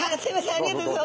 ありがとうございます。